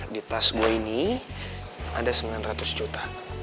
di task gue ini ada sembilan ratus juta